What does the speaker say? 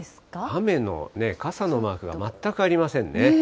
雨の、傘のマークが全くありませんね。